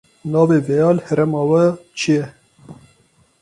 Navê vêya li herêma we çi ye?